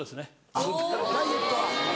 あっダイエットは。